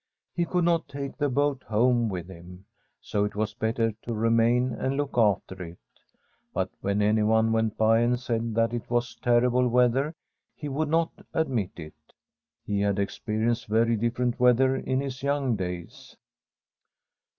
He could not take the boat home with him, so it was better to remain and look after it. But when anyone went by and said that it was terrible weather he would not admit it. He had experienced very diflferent weather in his young days.